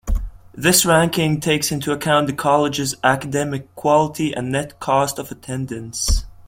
This ranking takes into account the College's academic quality and net cost of attendance.